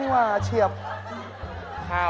ก็ไหลมีพื้น